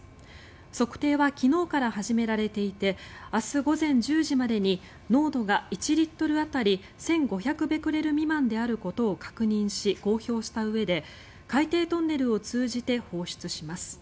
測定は昨日から始められていて明日午前１０時までに濃度が１リットル当たり１５００ベクレル未満であることを確認し公表したうえで海底トンネルを通じて放出します。